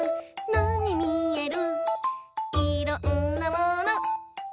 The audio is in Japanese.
なにみえる？」